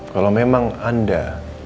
kalau memang anda